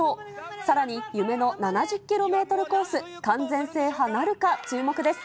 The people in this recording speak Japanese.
さらに夢の７０キロメートルコース、完全制覇なるか、注目です。